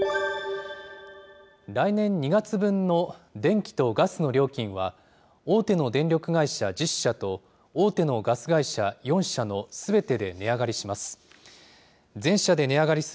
来年２月分の電気とガスの料金は、大手の電力会社１０社と大手のガス会社４社のすべてで値上がりします。